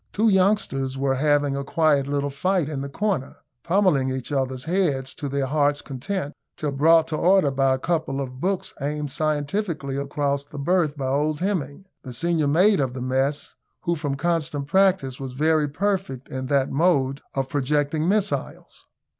Two youngsters were having a quiet little fight in the corner, pummelling each other's heads to their hearts' content, till brought to order by a couple of books aimed scientifically across the berth by old Hemming, the senior mate of the mess, who, from constant practice, was very perfect in that mode of projecting missiles.